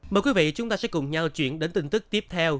mời quý vị chúng ta sẽ cùng nhau chuyển đến tin tức tiếp theo